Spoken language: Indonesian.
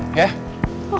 aku udah kehilangan mama aku